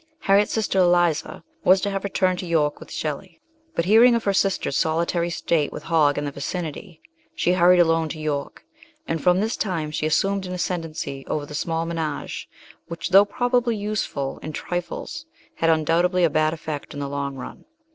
Harriet's sister, Eliza, was to have returned to York with Shelley ; but hearing of her sister's solitary state with Hogg in the vicinity, she hurried alone to York, and from this time she assumed an ascendency over SHELLEY. 51 the small menage which, though probably useful in trifles, had undoubtedly a bad effect in the long ruu.